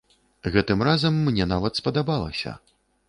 Гэтым разам мне нават спадабалася.